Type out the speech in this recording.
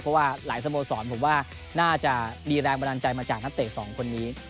เพราะว่าหลายสโมสรผมว่าน่าจะมีแรงบันดาลใจมาจากนักเตะสองคนนี้